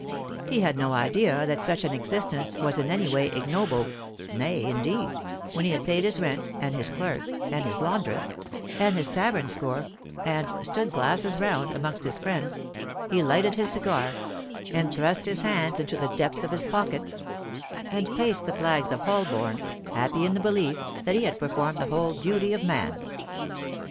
He had no idea that such an existence was in any way ignoble; nay, indeed, when he had paid his rent, and his clerk, and his laundress, and his tavern score, and "stood glasses round" amongst his friends, he lighted his cigar, and thrust his hands into the depths of his pockets, and paced the flags of Holborn happy in the belief that he had performed the whole duty of man.